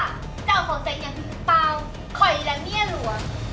ป้าเจ้าของเจ้าอย่างคือเปลี่ยนเปล่าคอยแล้วเงียหลัว